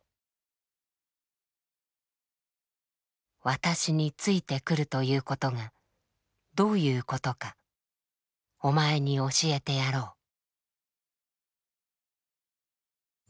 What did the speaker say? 「私についてくるということがどういうことか教えてやろう」と。